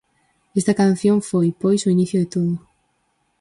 Esta canción foi, pois, o inicio de todo.